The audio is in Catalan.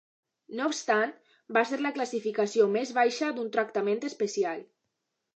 No obstant, va ser la classificació més baixa d'un tractament especial.